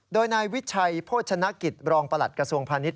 โดยนายวิชัยโภชนกิจรองประหลัดกระทรวงพาณิชย